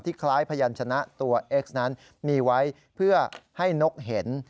คล้ายพยานชนะตัวเอ็กซ์นั้นมีไว้เพื่อให้นกเห็น